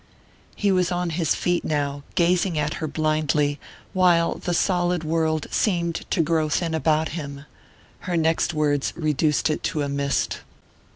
_" He was on his feet now, gazing at her blindly, while the solid world seemed to grow thin about him. Her next words reduced it to a mist.